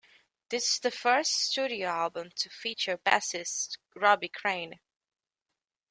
This is the first studio album to feature bassist Robbie Crane.